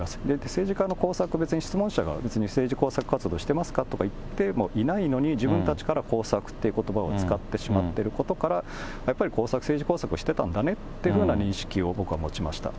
政治家の工作は、質問者が別に政治工作活動してますかと言ってもいないのに、自分たちから工作っていうことばを使ってしまっていることから、やっぱり工作、政治工作してたんだねという認識を僕は持ちました。